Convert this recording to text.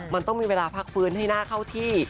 มันต้องมีเวลาพักฟื้นให้น่าเข้าที่